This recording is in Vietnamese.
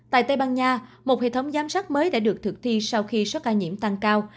tại tây ban nha một hệ thống giám sát mới đã được thực thi sau khi số ca nhiễm tăng cao